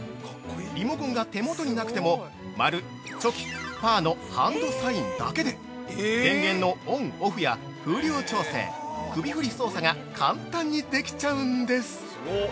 リモコンが手元になくても、「まる・ちょき・パー」のハンドサインだけで電源のオンオフや風量調整、首振り操作が簡単にできちゃうんです！